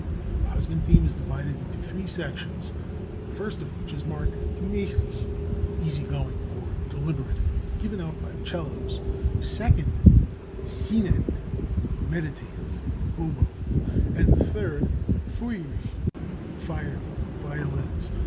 The husband theme is divided into three sections, the first of which is marked gemächlich ('easy going,' or 'deliberate,' given out by 'cellos), the second sinnend ('meditative,' oboe,) and the third feurig ('fiery,' violins).